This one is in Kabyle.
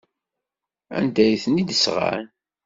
Anda ay ten-id-sɣan?